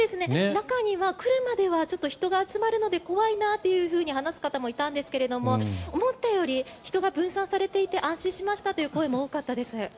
中には来るまでは人が集まるので怖いなというふうに話す方もいたんですが思ったより人が分散されていて安心しましたという声も多かったです。